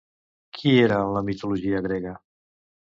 Qui era en la mitologia grega?